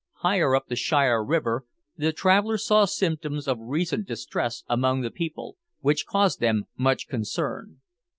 Higher up the Shire river, the travellers saw symptoms of recent distress among the people, which caused them much concern.